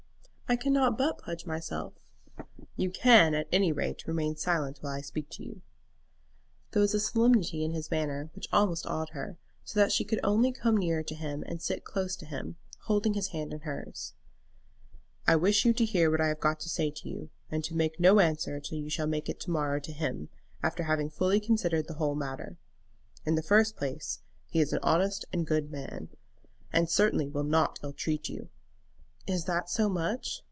"I cannot but pledge myself." "You can at any rate remain silent while I speak to you." There was a solemnity in his manner which almost awed her, so that she could only come nearer to him and sit close to him, holding his hand in hers. "I wish you to hear what I have got to say to you, and to make no answer till you shall make it to morrow to him, after having fully considered the whole matter. In the first place, he is an honest and good man, and certainly will not ill treat you." "Is that so much?"